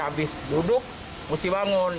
habis duduk mesti bangun